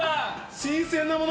新鮮なもの